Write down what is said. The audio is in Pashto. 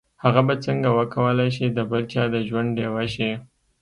هغه به څنګه وکولای شي د بل چا د ژوند ډيوه شي.